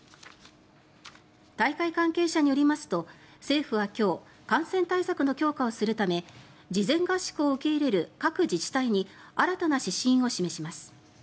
大会関係者によりますと政府は今日感染対策の強化をするため事前合宿を受け入れる各自治体に新たな指針を示します。